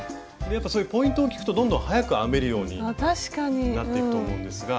やっぱそういうポイントを聞くとどんどん速く編めるようになっていくと思うんですが。